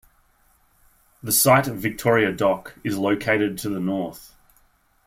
The site of Victoria Dock is located to the north.